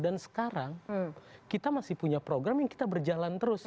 dan sekarang kita masih punya program yang kita berjalan terus